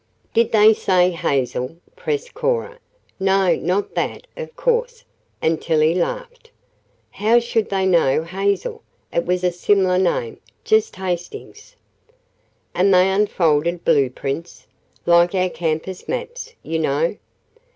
"Did they say Hazel?" pressed Cora. "No, not that, of course," and Tillie laughed. "How should they know Hazel? It was a similar name just Hastings." "And they unfolded blueprints? Like our campus maps, you know?"